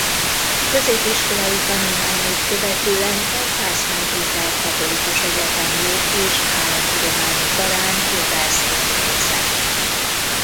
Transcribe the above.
Középiskolai tanulmányait követően a Pázmány Péter Katolikus Egyetem Jog- és Államtudományi Karán jogászként végzett.